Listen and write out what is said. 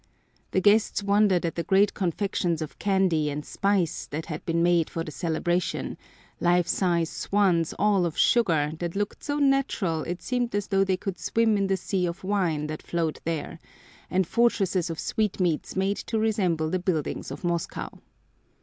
The guests wondered at the great confections of candy and spice that had been made for the celebration life size swans all of sugar that looked so natural it seemed as though they could swim in the sea of wine that flowed there, and fortresses of sweetmeats made to resemble the buildings of Moscow.